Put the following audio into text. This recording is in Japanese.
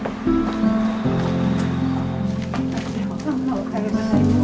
おはようございます。